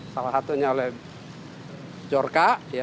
salah satunya oleh biorca